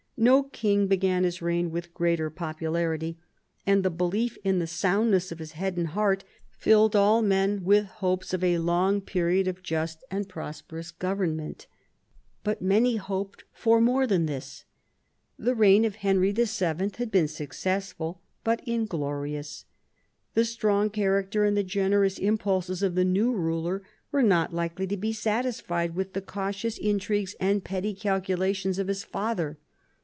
No king began his reign with greater popularity, and the belief in the soundness of his head and heart filled all men with hopes of a long period of just and prosperous government But many hoped for more than this. The reign of Henry VII. had been successful, but in glorioua The strong character and the generous im pulses of tne new ruler were not hkely to be satisfied with the cautious intrigues and petty calculations of his father.